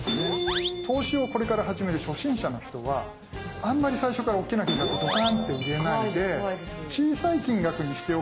投資をこれから始める初心者の人はあんまり最初から大きな金額をドカンって入れないで小さい金額にしておくとね